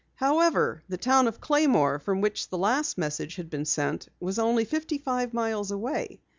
However, the town of Claymore, from which the last message had been sent, was only fifty five miles away.